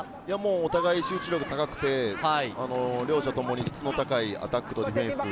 お互い集中力が高くて、両者ともに質の高いアタックとディフェンス。